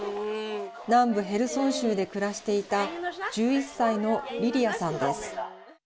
南部ヘルソン州で暮らしていた１１歳のリリアさんです。